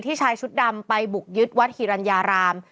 ที่ใช้ชุดดำไปบุกยึดวัดหิรัญยาราม